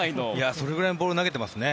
それぐらいのボールを投げていますね。